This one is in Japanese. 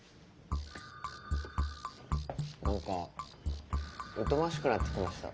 何か疎ましくなってきました。